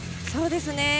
そうですね。